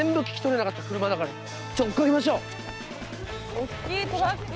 おっきいトラック！